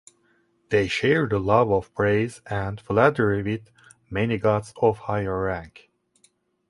They share the love of praise and flattery with many gods of higher rank.